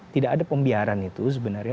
tidak ada pembiaran itu sebenarnya